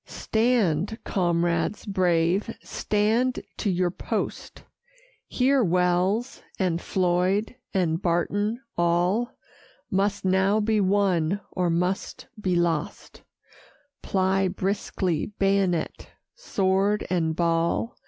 "Stand, comrades brave, stand to your post: Here Wells, and Floyd, and Barton; all Must now be won, or must be lost; Ply briskly, bayonet, sword, and ball."